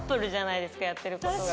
やってることが。